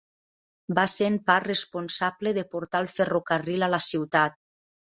Va ser en part responsable de portar el ferrocarril a la ciutat.